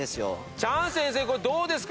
チャン先生これどうですか？